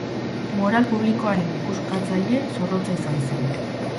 Moral publikoaren ikuskatzaile zorrotza izan zen.